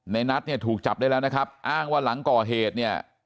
นัทเนี่ยถูกจับได้แล้วนะครับอ้างว่าหลังก่อเหตุเนี่ย